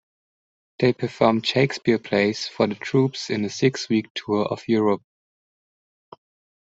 They performed Shakespeare's plays for the troops in a six-week tour of Europe.